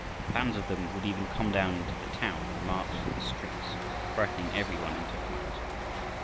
Bands of them would even come down into the town and march through the streets, frightening every one into flight.